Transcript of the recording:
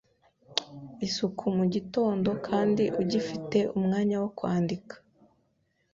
isuku mu gitondo kandi ugifite umwanya wo kwandika”